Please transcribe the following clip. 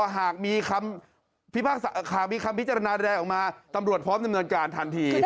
หากมีคำพิจารณาแรงออกมาตำรวจพร้อมดำเนินการทันที